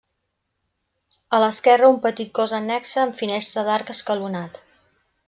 A l'esquerra un petit cos annexa amb finestra d'arc escalonat.